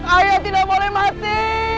ayah tidak boleh mati